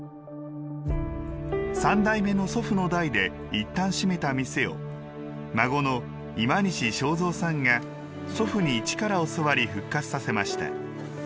３代目の祖父の代でいったん閉めた店を孫の今西正蔵さんが祖父に一から教わり復活させました。